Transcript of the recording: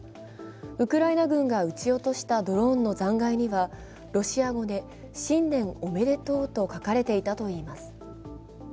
ウクライナ軍が撃ち落としたドローンの残骸にはロシア語で「新年おめでとう」と書かれていたといいます。